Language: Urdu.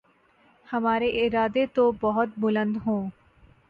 ہمارے ارادے تو بہت بلند ہوں۔